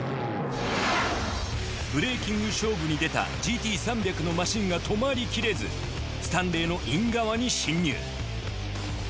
ブレーキング勝負にでたＧＴ３００のマシンが止まり切れずスタンレーのイン側に進入。